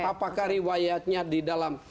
apakah riwayatnya di dalam